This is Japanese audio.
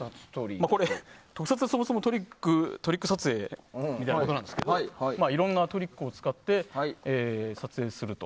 これ、特撮はそもそもトリック撮影みたいなことなんですけどいろんなトリックを使って撮影すると。